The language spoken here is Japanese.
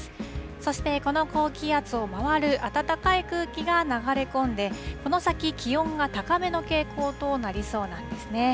そして、この高気圧を回る暖かい空気が流れ込んで、この先、気温が高めの傾向となりそうなんですね。